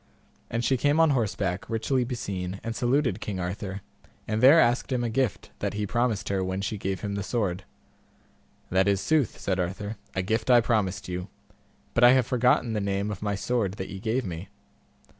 And she came on horseback, richly beseen, and saluted King Arthur, and there asked him a gift that he promised her when she gave him the sword. That is sooth, said Arthur, a gift I promised you, but I have forgotten the name of my sword that ye gave me.